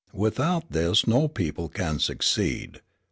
Without this no people can succeed.